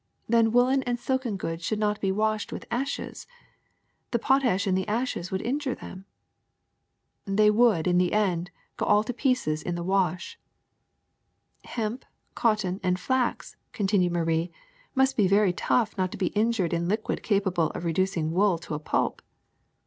Then, woolen and silk goods should not be washed with ashes: the potash in the ashes would injure them." ^*They would, in the end, go all to pieces in the wash. '' *'Hemp, cotton, and flax," continued Marie, ^^must be very tough not to be injured in a liquid capable of reducing wool to a pulp.